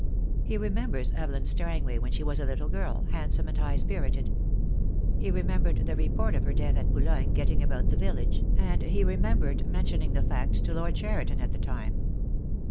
He remembers Evelyn Strangway when she was a little girl, handsome and high spirited. He remembered the report of her death at Boulogne getting about the village, and he remembered mentioning the fact to Lord Cheriton at the time.